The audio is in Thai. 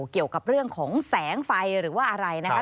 เกี่ยวกับเรื่องของแสงไฟหรือว่าอะไรนะครับ